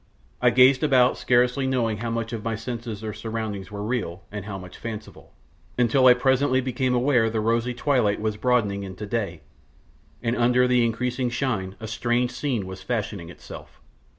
I gazed about scarcely knowing how much of my senses or surroundings were real and how much fanciful, until I presently became aware the rosy twilight was broadening into day, and under the increasing shine a strange scene was fashioning itself.